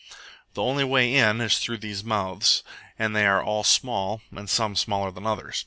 The only way in is through these mouths, and they are all small, and some smaller than others.